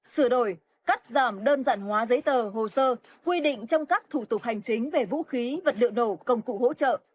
sửa đổi cắt giảm đơn giản hóa giấy tờ hồ sơ quy định trong các thủ tục hành chính về vũ khí vật liệu nổ công cụ hỗ trợ